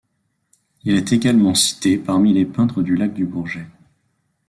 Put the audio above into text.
Il est également cité parmi les peintres du lac du Bourget.